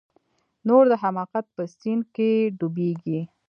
نو د حماقت په سيند کښې ډوبېږي.